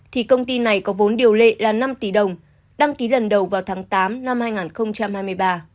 thì công ty này có vốn điều lệ là năm tỷ đồng đăng ký lần đầu vào tháng tám năm hai nghìn hai mươi ba